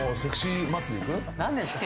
何ですか？